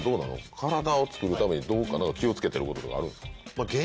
体をつくるために何か気を付けてることとかあるんですか？